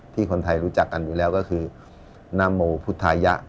คนไทยรู้จักกันอยู่แล้วก็คือนาโมพุทธายะ